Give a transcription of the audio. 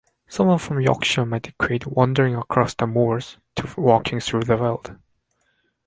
Someone from Yorkshire might equate "wandering across the moors" to "walking through the veld.